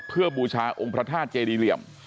เพื่อบูชาองค์พระธาตุเจดีเหลี่ยม